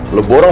aku mau pergi